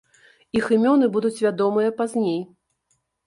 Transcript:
Іх імёны будуць вядомыя пазней.